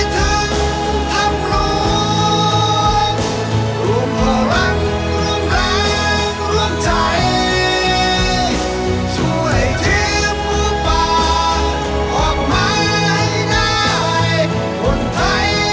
จะพาน้องออกมา